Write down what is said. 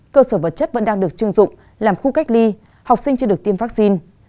cơ sở vật chất vẫn đang được chưng dụng làm khu cách ly học sinh chưa được tiêm vaccine